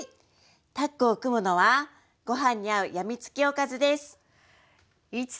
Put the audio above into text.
タッグを組むのはご飯に合うやみつきおかずです。